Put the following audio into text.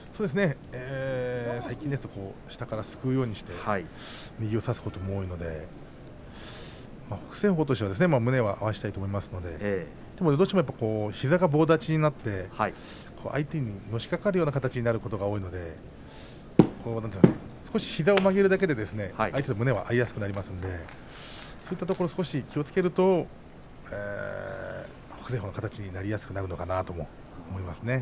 最近ですと、下からすくうようにして右を差すことも多いので北青鵬としては胸を合わせたいと思いますのでどうしても膝が棒立ちになって相手にのしかかるような形になることが多いので少し膝を曲げるだけで相手と胸を合わせやすくなりますので、そういったところを少し気をつけると北青鵬の形になりやすくなるのかなと思いますね。